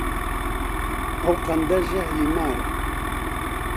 ئەو قەندە ژەهری مارە